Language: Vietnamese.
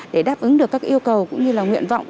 để đáp ứng được các yêu cầu cũng như là nguyện vọng